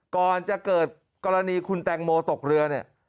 ก่อนจะเกิดกรณีคุณแตงโมตกเรือเนี่ย